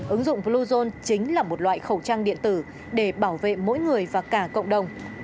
ứng dụng bluezone chính là một loại khẩu trang điện tử để bảo vệ mỗi người và cả cộng đồng